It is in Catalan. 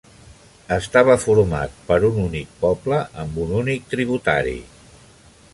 Estava format per un únic poble, amb un únic tributari.